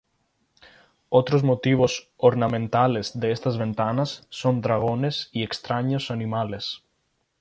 Otros motivos ornamentales de estas ventanas son dragones y extraños animales.